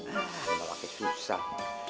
nggak pakai susah